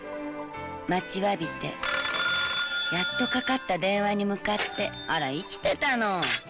待ちわびて、やっとかかった電話に向かって、あら、生きてたの。